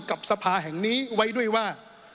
กับสภาแห่งนี้ไว้ด้วยว่า